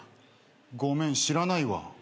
ごめん知らないわ。